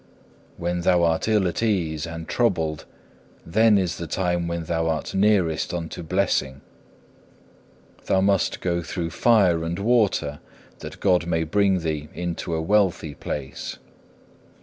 When thou art ill at ease and troubled, then is the time when thou art nearest unto blessing. Thou must go through fire and water that God may bring thee into a wealthy place.